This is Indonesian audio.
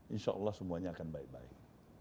insya allah semuanya akan baik baik